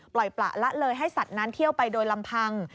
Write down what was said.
ปล่อยประละเลยให้สัตว์นั้นเที่ยวไปโดยลำพัง